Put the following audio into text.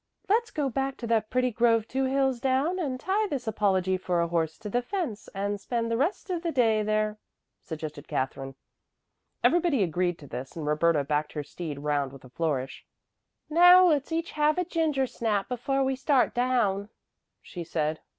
"Let's go back to that pretty grove two hills down and tie this apology for a horse to the fence and spend the rest of the day there," suggested Katherine. Everybody agreed to this, and Roberta backed her steed round with a flourish. "Now let's each have a gingersnap before we start down," she said.